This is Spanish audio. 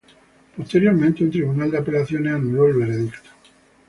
Posteriormente un tribunal de apelaciones anuló el veredicto.